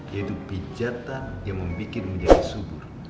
yaitu pijatan yang membuatmu jadi subur